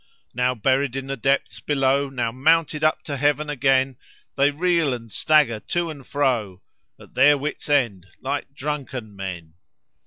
Now buried in the depths below, Now mounted up to heaven again, They reel and stagger to and fro, At their wit's end, like drunken men.